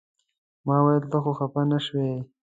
ما ویل ته خو خپه نه شوې.